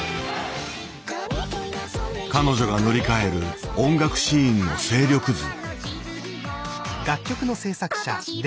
彼女が塗り替える音楽シーンの勢力図。